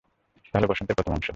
তাহলে বসন্তের প্রথম অংশ।